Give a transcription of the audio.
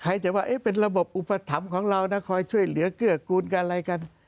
จะว่าเป็นระบบอุปถัมภ์ของเรานะคอยช่วยเหลือเกื้อกูลกันอะไรกัน